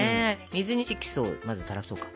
水に色素をまずたらそうか。